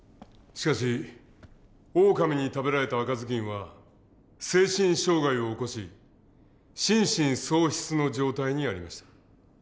しかしオオカミに食べられた赤ずきんは精神障害を起こし心神喪失の状態にありました。